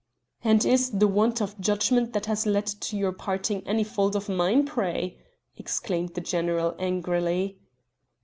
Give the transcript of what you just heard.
"And is the want of judgment that has led to your parting any fault of mine pray?" exclaimed the general angrily.